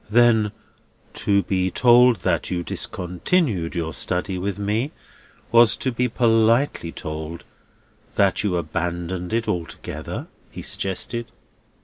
"Then, to be told that you discontinued your study with me, was to be politely told that you abandoned it altogether?" he suggested.